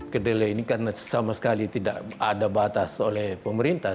kedelai ini karena sama sekali tidak ada batas oleh pemerintah